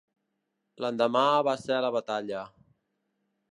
L'endemà va ser la batalla.